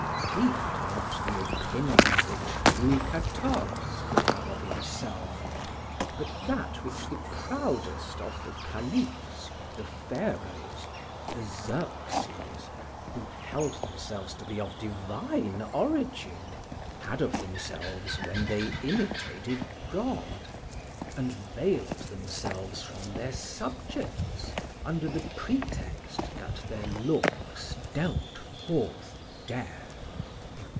He had not the opinion which Louis XIV. could have of himself, but that which the proudest of the Caliphs, the Pharoahs, the Xerxes, who held themselves to be of divine origin, had of themselves when they imitated God, and veiled themselves from their subjects under the pretext that their looks dealt forth death.